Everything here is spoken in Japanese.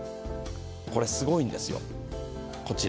これ、すごいんですよ、こちら。